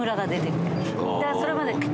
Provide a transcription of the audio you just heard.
それまで。